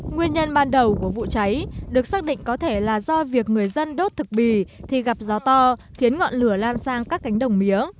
nguyên nhân ban đầu của vụ cháy được xác định có thể là do việc người dân đốt thực bì thì gặp gió to khiến ngọn lửa lan sang các cánh đồng mía